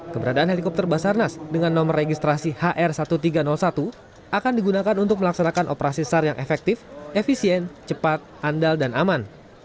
keberadaan helikopter basarnas dengan nomor registrasi hr seribu tiga ratus satu akan digunakan untuk melaksanakan operasi sar yang efektif efisien cepat andal dan aman